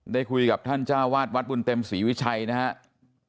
ได้คุยกับท่านเจ้าวาดวัดบุญเต็มศรีวิชัยนะครับ